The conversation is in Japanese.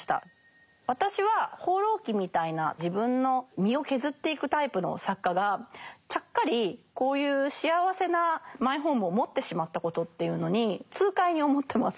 私は「放浪記」みたいな自分の身を削っていくタイプの作家がちゃっかりこういう幸せなマイホームを持ってしまったことっていうのに痛快に思ってます。